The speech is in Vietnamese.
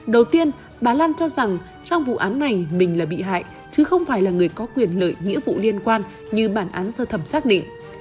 đầu tiên bà lan cho rằng trong vụ án này mình là bị hại chứ không phải là người có quyền lợi nghĩa vụ liên quan như bản án sơ thẩm xác định